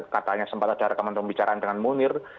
katanya sempat ada rekaman pembicaraan dengan munir